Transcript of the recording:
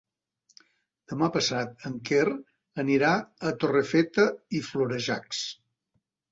Demà passat en Quer anirà a Torrefeta i Florejacs.